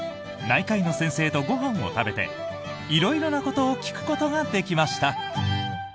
内科医の先生とご飯を食べて色々なことを聞くことができました。